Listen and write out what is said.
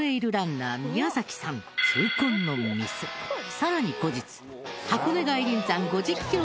さらに後日。